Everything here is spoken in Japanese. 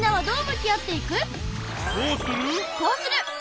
どうする？